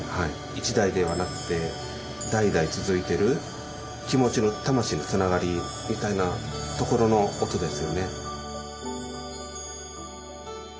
一代ではなくて代々続いてる気持ちの魂のつながりみたいなところの音ですよね。